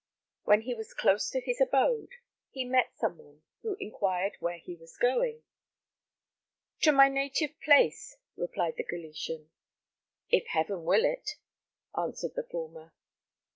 When he was close to his abode, he met some one who inquired where he was going. "To my native place," replied the Galician. "If Heaven will it," answered the former.